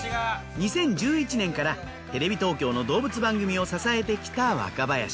２０１１年からテレビ東京の動物番組を支えてきた若林。